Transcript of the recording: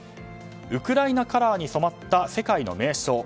ウクライナカラーに染まった世界の名所。